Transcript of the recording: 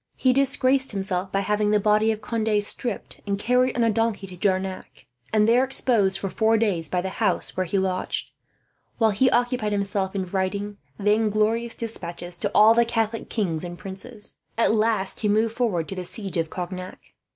He disgraced himself by having the body of Conde stripped and carried on a donkey to Jarnac, and there exposed for four days by the house where he lodged; while he occupied himself in writing vainglorious despatches to all the Catholic kings and princes. At last he moved forward to the siege of Cognac.